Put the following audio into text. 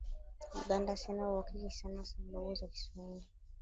Uganda sina uhakika sana sababu za kiswahili